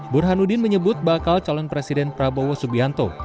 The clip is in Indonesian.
burhanuddin menyebut bakal calon presiden prabowo subianto